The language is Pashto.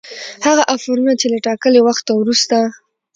هغه آفرونه چي له ټاکلي وخته وروسته